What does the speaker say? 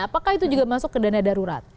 apakah itu juga masuk ke dana darurat